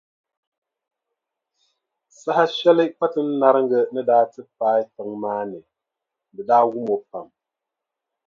Saha shɛli Kpatinariŋga ni daa ti paai tiŋa maa ni, di daa wum o pam.